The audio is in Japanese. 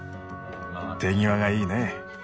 手際がいいね。